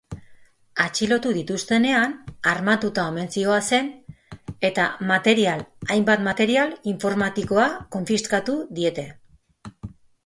Atxilotu dituztenean, armatuta omen zihoazen eta material hainbat material informatikoa konfiskatu diete.